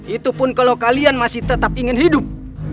itu pun kalau kalian masih tetap ingin hidup